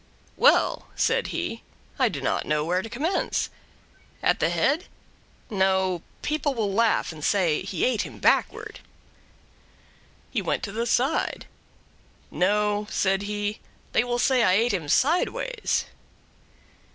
"Well," said he, "I do not know where to commence. At the head? No, people will laugh, and say, 'He ate him backward.'" He went to the side. "No," said he, "they will say I ate him sideways."